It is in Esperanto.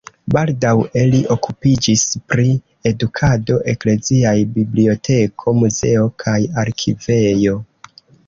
Baldaŭe li okupiĝis pri edukado, ekleziaj biblioteko, muzeo kaj arkivejo.